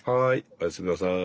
おやすみなさい。